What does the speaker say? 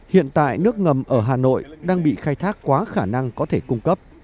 hiện tại nước ngầm ở hà nội đang bị khai thác quá khả năng có thể cung cấp